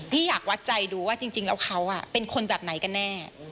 อยากวัดใจดูว่าจริงแล้วเขาเป็นคนแบบไหนกันแน่